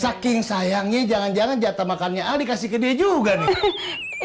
saking sayangnya jangan jangan jatah makannya ah dikasih ke dia juga nih